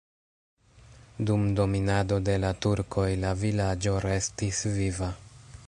Dum dominado de la turkoj la vilaĝo restis viva.